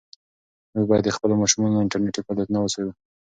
موږ باید د خپلو ماشومانو انټرنيټي فعالیتونه وڅارو.